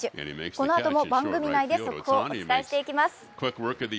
このあとも番組内で速報お伝えしていきます。